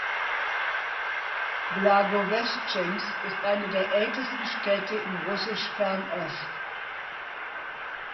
Blagoweschtschensk ist eine der ältesten Städte in Russisch-Fernost.